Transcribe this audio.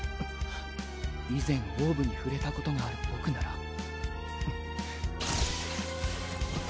以前オーブに触れたことがある僕なら